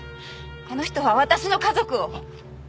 あの人は私の家族を。